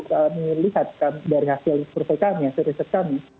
kami melihat dari hasil survei kami hasil riset kami